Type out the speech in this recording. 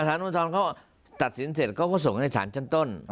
อุทธรณ์เขาตัดสินเสร็จเขาก็ส่งให้สารชั้นต้น